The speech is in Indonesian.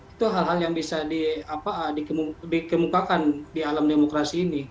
itu hal hal yang bisa dikemukakan di alam demokrasi ini